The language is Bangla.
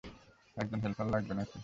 একজন হেল্পার লাগবে নাকি?